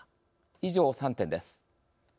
以上３点です。